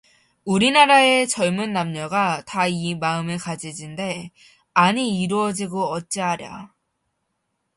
우리나라의 젊은 남녀가 다 이 마음을 가질진대 아니 이루어지고 어찌하랴.